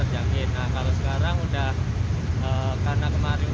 jadi kan kalau makanan gak apa apa kan